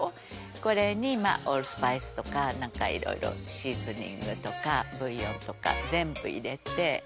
「これにオールスパイスとかなんか色々シーズニングとかブイヨンとか全部入れて炒めます」